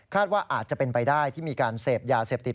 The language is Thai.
ว่าอาจจะเป็นไปได้ที่มีการเสพยาเสพติด